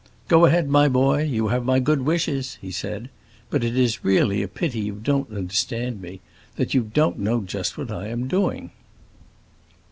"Go ahead, my boy; you have my good wishes," he said. "But it is really a pity you don't understand me, that you don't know just what I am doing."